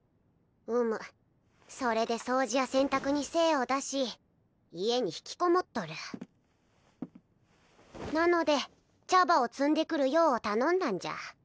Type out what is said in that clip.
うむそれで掃除や洗濯に精を出し家に引きこもっとるなので茶葉を摘んでくる用を頼んだんじゃ